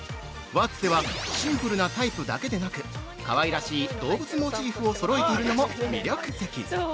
ワッツではシンプルなタイプだけでなくかわいらしい動物モチーフをそろえているのも魅力的。